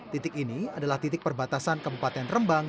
titik ini adalah titik perbatasan kabupaten rembang